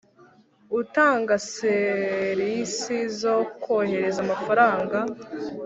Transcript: Utanga Ser isi zo kohereza amafaranga